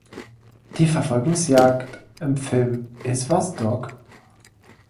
Die Verfolgungsjagd im Film Is’ was, Doc?